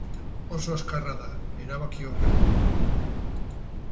Oso azkarra da, erabakiorra.